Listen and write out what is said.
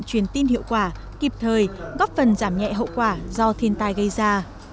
truyền tin hiệu quả kịp thời góp phần giảm nhẹ hậu quả do thiên tai gây ra